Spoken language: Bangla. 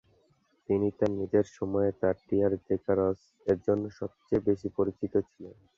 তিনি তার নিজের সময়ে তার "টিয়ার-জেকারস" এর জন্য সবচেয়ে বেশি পরিচিত ছিলেন।